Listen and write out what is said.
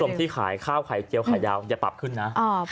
ผู้สมที่ขายข้าวไข่เกี่ยวไข่ยาวจะปรับขึ้นนะ